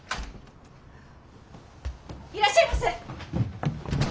いらっしゃいませ。